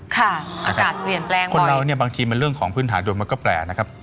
อากาศเปลี่ยนแปลงคนเราเนี่ยบางทีมันเรื่องของพื้นฐานด่วนมันก็แปลกนะครับ